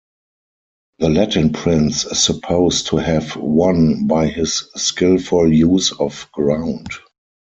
The Latin prince is supposed to have won by his skilful use of ground.